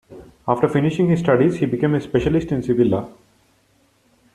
After finishing his studies he became a specialist in civil law.